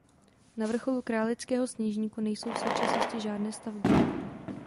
Na vrcholu Králického Sněžníku nejsou v současnosti žádné stavby.